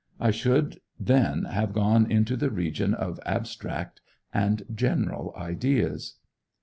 I should then have gone into the region of abstract and general ideas.